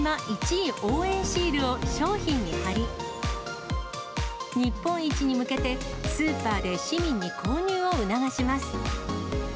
１位応援シールを商品に貼り、日本一に向けて、スーパーで市民に購入を促します。